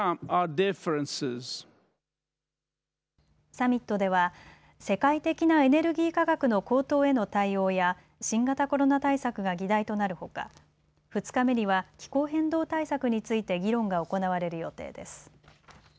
サミットでは世界的なエネルギー価格の高騰への対応や新型コロナ対策が議題となるほか、２日目には気候変動対策について議論が行われる予定です。